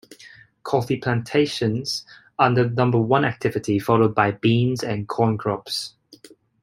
Coffee plantations are the number one activity, followed by Beans and Corn crops.